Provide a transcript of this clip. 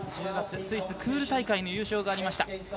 １０月、スイスの大会の優勝がありました。